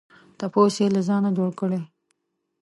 ټپوس یې له ځانه جوړ کړی.